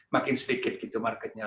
makin sedikit gitu marketnya